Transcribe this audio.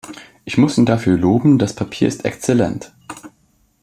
Ich muss ihn dafür loben, das Papier ist exzellent.